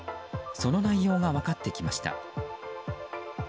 その内容が分かってきました。